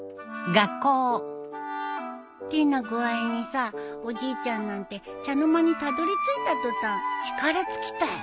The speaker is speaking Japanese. てな具合にさおじいちゃんなんて茶の間にたどり着いた途端力尽きたよ。